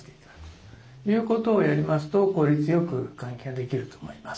ということをやりますと効率よく換気ができると思います。